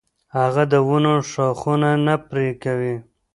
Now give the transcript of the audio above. هغه د ونو ښاخونه نه پرې کوي.